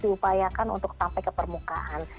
diupayakan untuk sampai ke permukaan